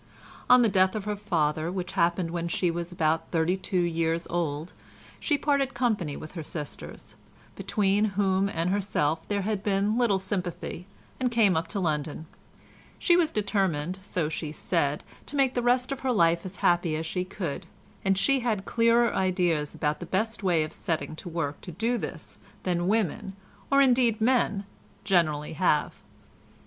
On the death of her father, which happened when she was about thirty two years old, she parted company with her sisters, between whom and herself there had been little sympathy, and came up to London. She was determined, so she said, to make the rest of her life as happy as she could, and she had clearer ideas about the best way of setting to work to do this than women, or indeed men, generally have.